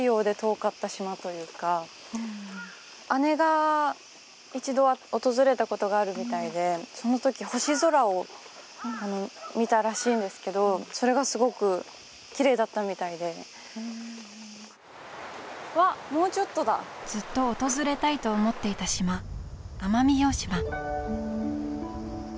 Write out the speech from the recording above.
こう姉が一度訪れたことがあるみたいでその時星空を見たらしいんですけどそれがすごくきれいだったみたいでうわもうちょっとだずっと訪れたいと思っていた島奄美大島